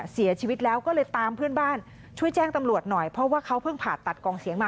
เสียชีวิตแล้วก็เลยตามเพื่อนบ้านช่วยแจ้งตำรวจหน่อยเพราะว่าเขาเพิ่งผ่าตัดกองเสียงมา